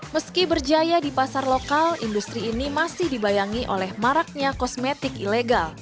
meski berjaya di pasar lokal industri ini masih dibayangi oleh maraknya kosmetik ilegal